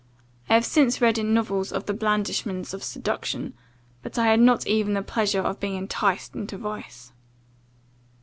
I have since read in novels of the blandishments of seduction, but I had not even the pleasure of being enticed into vice.